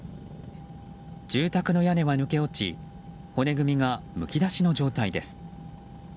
住宅の屋根は抜け落ち骨組みがむき出しの状態です。